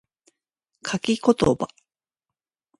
書き言葉